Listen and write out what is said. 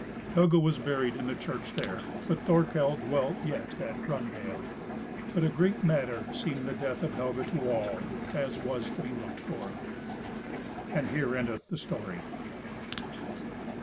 Helga was buried in the church there, but Thorke dwelt yet at Hraundale: but a great matter seemed the death of Helga to all, as was to be looked for. AND HERE ENDETH THE STORY.